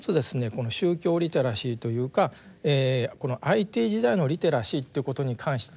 この宗教リテラシーというかこのＩＴ時代のリテラシーということに関してですね